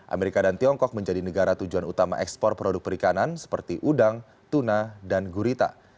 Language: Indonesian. amerika dan tiongkok menjadi negara tujuan utama ekspor produk perikanan seperti udang tuna dan gurita